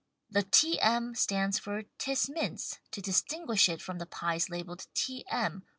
(The T. M. stands for " 'Tis Mince" to distinguish it from the pies labeled T. M.